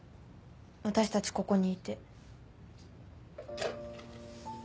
私たちここにいて。